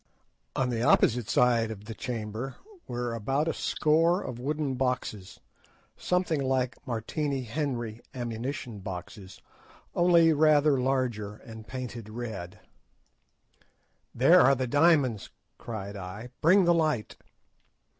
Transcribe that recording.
On the opposite side of the chamber were about a score of wooden boxes, something like Martini Henry ammunition boxes, only rather larger, and painted red. "There are the diamonds," cried I; "bring the light."